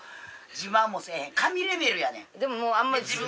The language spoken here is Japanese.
自慢もせえへん神レベルやねん。